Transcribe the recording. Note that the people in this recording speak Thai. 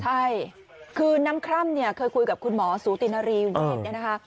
ใช่คือน้ำคร่ำเนี่ยเคยคุยกับคุณหมอสูตินารีวิจิตเนี่ยนะคะ